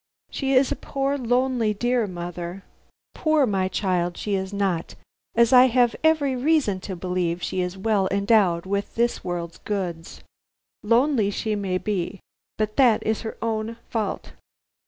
"She is a poor, lonely dear, mother." "Poor, my child, she is not, as I have every reason to believe she is well endowed with this world's goods. Lonely she may be, but that is her own fault.